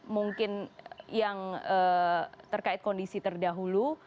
mungkin yang terkait kondisi terdahulu